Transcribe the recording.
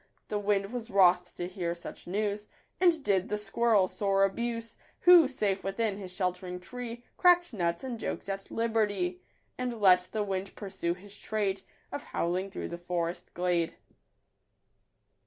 The wind was wroth to hear such news, And did the squirrel sore abuse ; Who, safe within his shelt'ring tree, Crack'd nuts and jokes at liberty ; And let the wind pursue his trade Of howling through the forest glade.